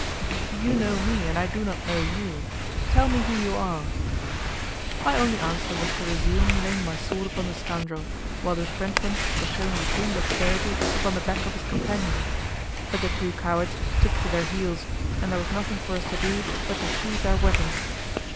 "You know me and I do not know you. Tell me who you are." My only answer was to resume laying my sword upon the scoundrel, while the Frenchman was shewing the same dexterity upon the back of his companion, but the two cowards took to their heels, and there was nothing for us to do but to sheathe our weapons.